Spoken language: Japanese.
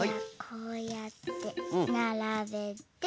こうやってならべて。